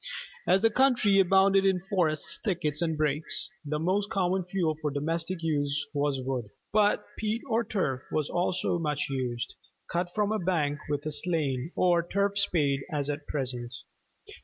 As the country abounded in forests, thickets, and brakes, the most common Fuel for domestic use was wood: but peat or turf was also much used, cut from a bank with a slaan or turf spade as at present.